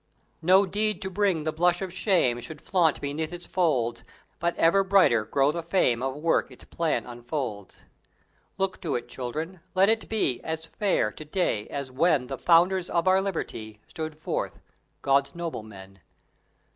No deed to bring the blush of shame Should flaunt beneath its folds; But ever brighter grow the fame Of work its plan unfolds. Look to it, Children! Let it be As fair, to day, as when The founders of our liberty Stood forth, God's noblemen!